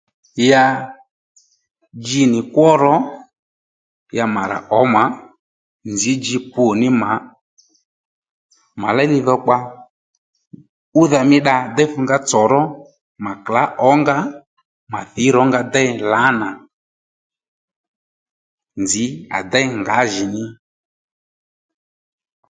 Ya dji nì kwó ro ya mà rà ǒmà nzǐ dji pǔ ní mà mà léy li dhokpa údha mí dda déy fúngá tsòró mà klǎ ǒnga mà thǐy rǒnga déy lǎnà nzǐ à déy ngǎjìní